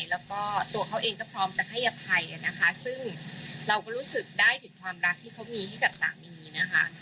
แล้วก็ตัวเขาเองก็พร้อมจะให้อภัยนะคะซึ่งเราก็รู้สึกได้ถึงความรักที่เขามีให้กับสามีนะคะ